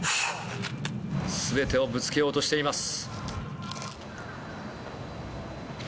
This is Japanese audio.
すべてをぶつけようとしています。